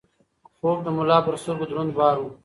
خوب د ملا پر سترګو دروند بار و.